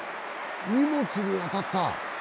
荷物に当たった。